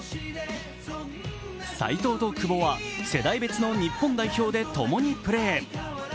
齊藤と久保は世代別の日本代表でともにプレー。